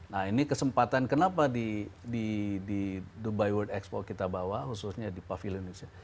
nah ini kesempatan kenapa di dubai world expo kita bawa khususnya di pavili indonesia